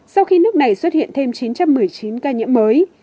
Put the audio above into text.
sau khi nước này xuất hiện thêm chín trăm một mươi chín ca nhiễm mới